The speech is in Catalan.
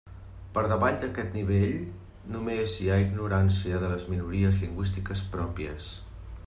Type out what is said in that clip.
Per davall d'aquest nivell només hi ha ignorància de les minories lingüístiques pròpies.